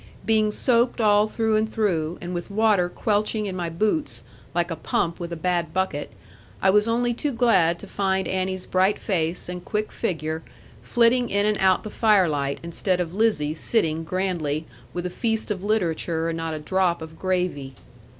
Being soaked all through, and through, and with water quelching in my boots, like a pump with a bad bucket, I was only too glad to find Annie's bright face, and quick figure, flitting in and out the firelight, instead of Lizzie sitting grandly, with a feast of literature, and not a drop of gravy.